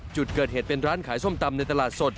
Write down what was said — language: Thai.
จุดเกิดเหตุเป็นร้านขายส้มตำในตลาดสด